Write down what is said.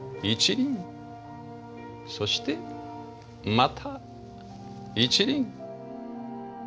そしてまた一輪。